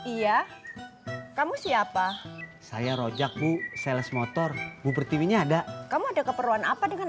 iya kamu siapa saya rojak bu sales motor bu pertiwinya ada kamu ada keperluan apa dengan